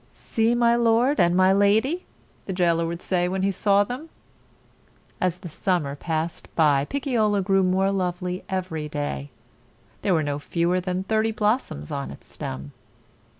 "See my lord and my lady!" the jailer would say when he saw them. As the summer passed by, Picciola grew more lovely every day. There were no fewer than thirty blossoms on its stem.